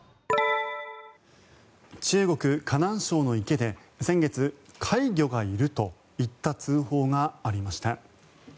中国・河南省の池で先月、怪魚がいるといった通報が相次ぎました。